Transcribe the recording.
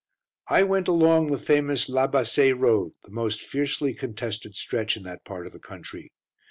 I went along the famous La Bassée Road the most fiercely contested stretch in that part of the country.